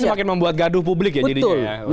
jadi semakin membuat gaduh publik ya jadinya